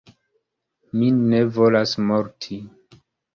Mi ne volas morti!